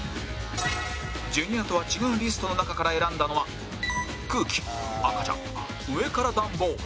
ジュニアとは違うリストの中から選んだのは「空気」「赤ちゃん」「上からダンボール」